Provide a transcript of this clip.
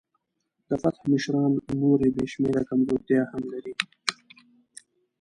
د فتح مشران نورې بې شمېره کمزورتیاوې هم لري.